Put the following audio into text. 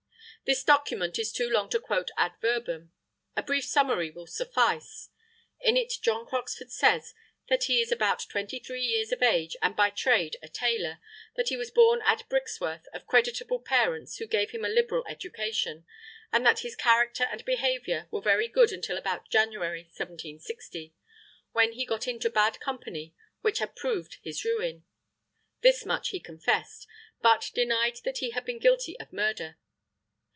This document is too long to quote ad verbum; a brief summary will suffice. In it John Croxford says that he is about twenty three years of age and by trade a tailor, that he was born at Brixworth of creditable parents who gave him a liberal education, and that his character and behaviour were very good until about January 1760, when he got into bad company, which had proved his ruin this much he confessed, but denied that he had been guilty of murder.